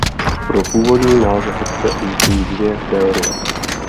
Pro původní název obce existují dvě teorie.